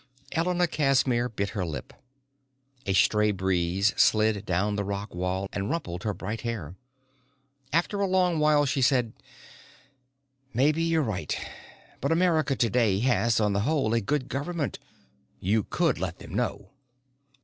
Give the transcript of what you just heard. Elena Casimir bit her lip. A stray breeze slid down the rock wall and rumpled her bright hair. After a long while she said, "Maybe you're right. But America today has, on the whole, a good government. You could let them know."